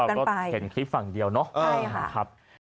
เพราะเราก็เห็นคลิปฝั่งเดียวเนอะ